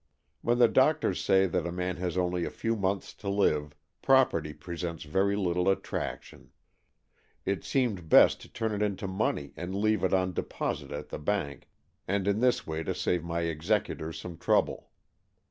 When the doctors say that a man AN EXCHANGE OF SOULS 245 has only a few months to live, property presents very little attraction. It seemed best to turn it into money and leave it on deposit at the bank, and in this way to save my executors some trouble.